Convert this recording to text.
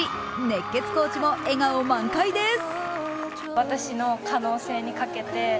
熱血コーチも笑顔満開です。